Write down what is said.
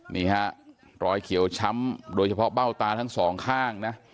นี่ฮะรอยเขียวช้ำโดยเฉพาะเบ้าตาทั้งสองข้างนะ